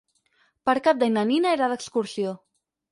Per Cap d'Any na Nina irà d'excursió.